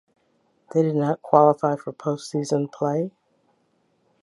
They did not qualify for post season play.